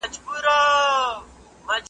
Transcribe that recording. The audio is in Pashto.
خدمت می وکړی چی ګورم خدمت